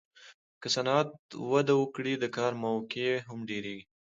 که صنعت وده وکړي، د کار موقعې هم ډېرېږي.